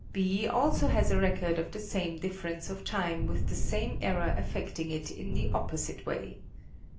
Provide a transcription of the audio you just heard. B also has a record of the same difference of time with the same error affecting it in the opposite way.